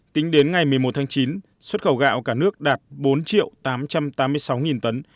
tính đến ngày một mươi một tháng chín xuất khẩu gạo cả nước đạt bốn triệu tám trăm tám mươi sáu tấn